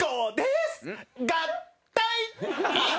合体！